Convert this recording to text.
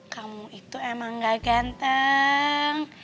kamu itu emang gak ganteng